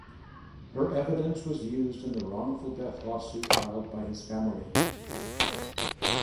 Her evidence was used in the wrongful death lawsuit filed by his family.